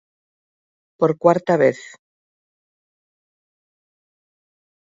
Por cuarta vez.